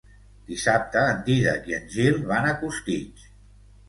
Dissabte en Dídac i en Gil van a Costitx.